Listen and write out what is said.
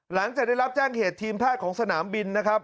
หลังจากได้รับแจ้งเหตุทีมแพทย์ของสนามบินนะครับ